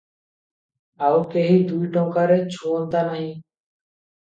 ଆଉ କେହି ଦୁଇ ଟଙ୍କାରେ ଛୁଅନ୍ତା ନାହିଁ ।